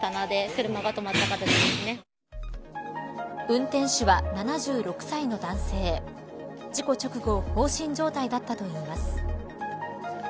運転手は７６歳の男性事故直後、放心状態だったといいます。